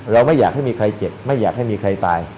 ไม่อยากให้มีใครเจ็บไม่อยากให้มีใครตาย